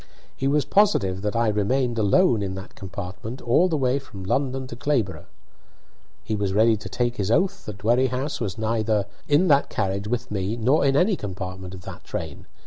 He was positive that I remained alone in that compartment all the way from London to Clayborough. He was ready to take his oath that Dwerrihouse was neither in that carriage with me nor in any compartment of that train.